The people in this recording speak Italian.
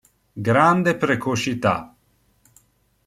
Grande precocità.